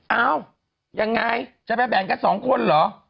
เอ้ายังไงจะแบนกัน๒คนเหรอ